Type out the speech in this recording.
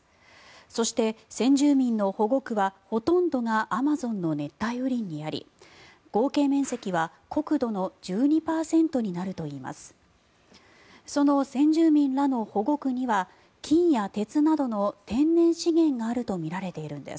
そして、先住民の保護区はほとんどがアマゾンの熱帯雨林にあり合計面積は国土の１２％になるといいます。